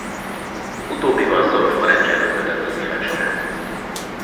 Utóbbival szoros barátságot kötött az évek során.